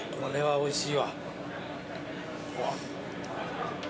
おいしい。